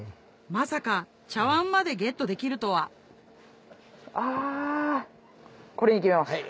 まさか茶碗までゲットできるとはあ。